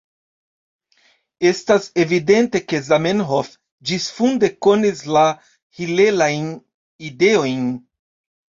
Estas evidente, ke Zamenhof ĝisfunde konis la hilelajn ideojn.